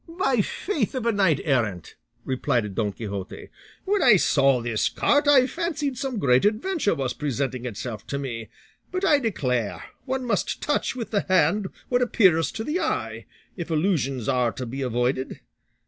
"By the faith of a knight errant," replied Don Quixote, "when I saw this cart I fancied some great adventure was presenting itself to me; but I declare one must touch with the hand what appears to the eye, if illusions are to be avoided.